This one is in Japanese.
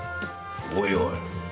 おいおい。